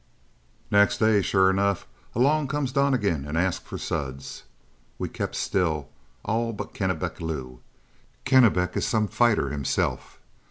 "Next day, sure enough, along comes Donnegan and asks for Suds. We kept still all but Kennebec Lou. Kennebec is some fighter himself.